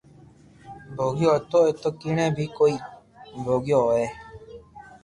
ڀوگيو ھتو ايتو ڪيڻي ڀي ڪوئي ڀوگيو ھوئي